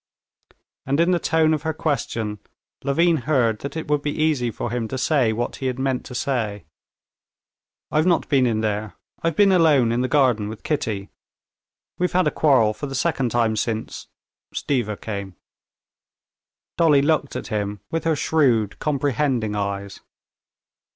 And in the tone of her question Levin heard that it would be easy for him to say what he had meant to say. "I've not been in there, I've been alone in the garden with Kitty. We've had a quarrel for the second time since ... Stiva came." Dolly looked at him with her shrewd, comprehending eyes.